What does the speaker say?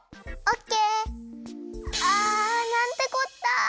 なんてこった！